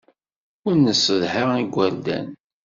Ur nessedha igerdan.